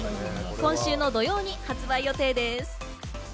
今週の土曜に発売予定です。